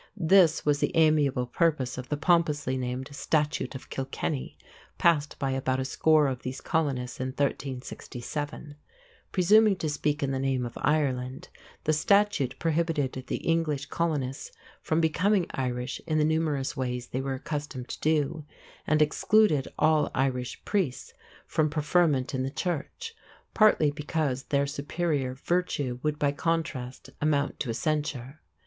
This was the amiable purpose of the pompously named "Statute of Kilkenny", passed by about a score of these colonists in 1367. Presuming to speak in the name of Ireland, the statute prohibited the English colonists from becoming Irish in the numerous ways they were accustomed to do, and excluded all Irish priests from preferment in the Church, partly because their superior virtue would by contrast amount to a censure.